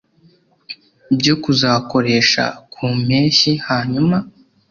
byo kuzakoresha ku mpeshyi; hanyuma